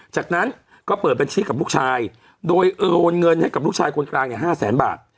จากนั้นก็เปิดบัญชีกับลูกชายโดยโอนเงินให้กับลูกชายคนกลางเนี่ย๕แสนบาท